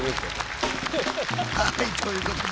はいということで。